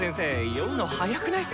酔うの早くないっスか。